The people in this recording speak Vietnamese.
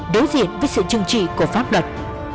đối diện với sự trừng trị của pháp luật